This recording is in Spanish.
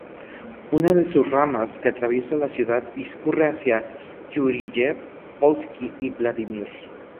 Una de sus ramas, que atraviesa la ciudad, discurre hacia Yúriyev-Polski y Vladímir.